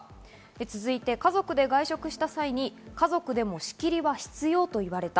続いて、家族で外食した際に、家族でも仕切りは必要と言われた。